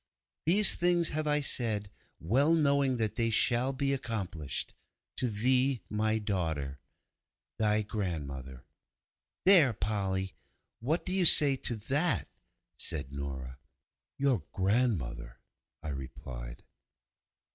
These things have I said, well knowing that they shall be accomplished._ 'To thee, my daughter! 'THY GRANDMOTHER.' 'There, Polly, what do you say to that?' said Nora. 'Your grandmother!' I replied.